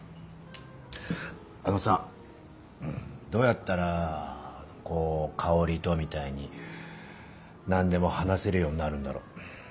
あのさどうやったらこうカオリとみたいに何でも話せるようになるんだろう？